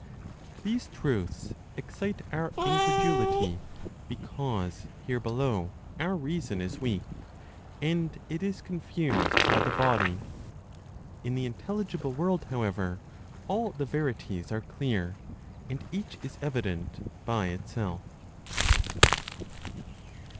These truths excite our incredulity, because here below our reason is weak, and it is confused by the body. In the intelligible world, however, all the verities are clear, and each is evident, by itself.